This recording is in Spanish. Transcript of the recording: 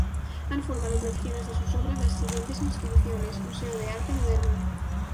Han formado colecciones de sus obras las siguientes instituciones: Museo de Arte Moderno.